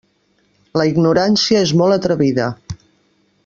La ignorància és molt atrevida.